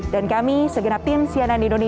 dan kami segenap tim sianan indonesia